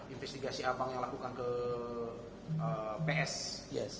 investigasi abang yang lakukan ke ps